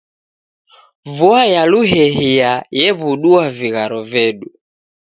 Vua ya luhehia yew'udua vigharo vedu